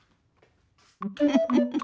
フフフフフ。